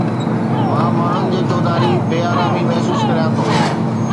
مان ماڻهن جي چوڌاري بي آرامي محسوس ڪريان ٿو